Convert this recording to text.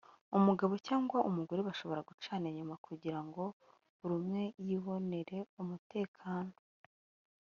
umugabo cyangwa umugore bashobora gucana inyuma kugira ngo buri umwe yibonere umutekano